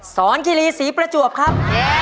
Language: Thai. สอนคิรีสีประจวบครับ